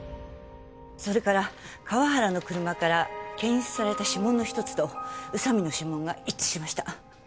それから河原の車から検出された指紋の一つと宇佐美の指紋が一致しました。